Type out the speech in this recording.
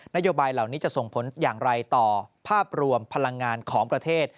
โยบายเหล่านี้จะส่งผลอย่างไรต่อภาพรวมพลังงานของประเทศ